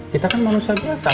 kita kan manusia biasa